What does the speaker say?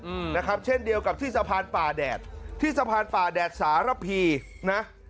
อืมนะครับเช่นเดียวกับที่สะพานป่าแดดที่สะพานป่าแดดสารพีนะ